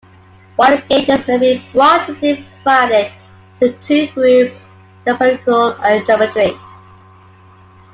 Wire gauges may be broadly divided into two groups, the empirical and the geometric.